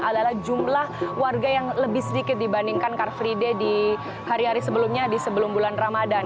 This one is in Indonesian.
adalah jumlah warga yang lebih sedikit dibandingkan car free day di hari hari sebelumnya di sebelum bulan ramadan